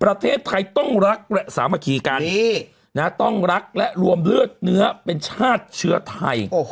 ประเทศไทยต้องรักและสามัคคีกันต้องรักและรวมเลือดเนื้อเป็นชาติเชื้อไทย